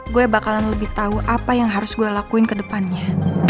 gue bakalan lebih tahu apa yang harus gue lakuin ke depannya